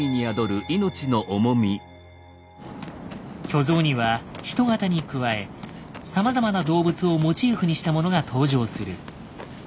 巨像には人型に加えさまざまな動物をモチーフにしたものが登場する。